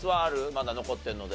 まだ残ってるので。